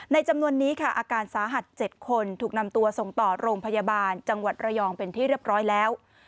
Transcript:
จำนวนนี้ค่ะอาการสาหัส๗คนถูกนำตัวส่งต่อโรงพยาบาลจังหวัดระยองเป็นที่เรียบร้อยแล้ว